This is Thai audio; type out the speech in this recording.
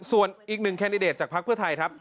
ส่วนอีกหนึ่งแคนดิเดตจากภักดิ์เพื่อไทยครับ